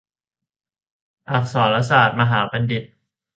อักษรศาสตรมหาบัณฑิต